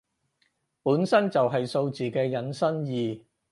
本身就係數字嘅引申義